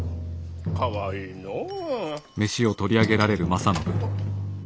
かわいいのう。